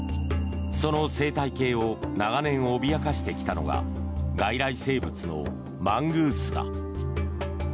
その生態系を長年脅かしてきたのが外来生物のマングースだ。